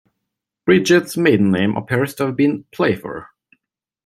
Bridget's maiden name appears to have been Playfer.